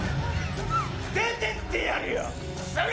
出てってやるよくそが！